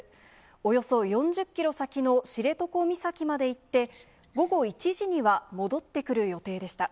およそ４０キロ先の知床岬まで行って、午後１時には戻ってくる予定でした。